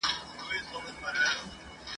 د ټول کلي خلک ماته کړي ښراوي ..